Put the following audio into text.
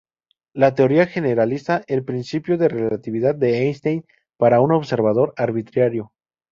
La teoría generaliza el principio de relatividad de Einstein para un observador arbitrario.